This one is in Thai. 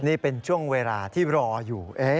นี่เป็นช่วงเวลาที่รออยู่